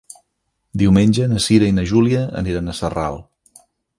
Diumenge na Cira i na Júlia aniran a Sarral.